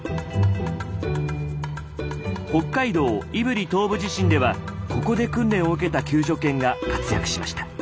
北海道胆振東部地震ではここで訓練を受けた救助犬が活躍しました。